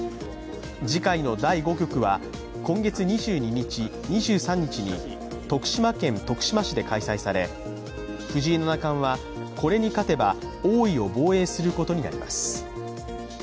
次回の第５局は今月２２日、２３日に徳島県徳島市で開催され藤井七冠はこれに勝てば王位を防衛することになります。